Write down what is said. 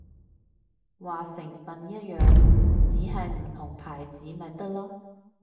話成分一樣，只係唔同牌子咪得囉